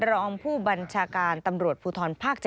รองผู้บัญชาการตำรวจภูทรภาค๗